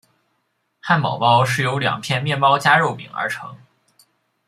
汉堡包是由两片面包夹肉饼而成。